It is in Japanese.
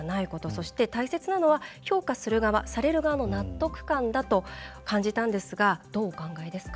そして、大切なのは評価する側、される側の納得感だと感じたんですがどうお考えですか？